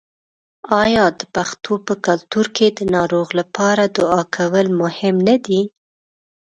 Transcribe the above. آیا د پښتنو په کلتور کې د ناروغ لپاره دعا کول مهم نه دي؟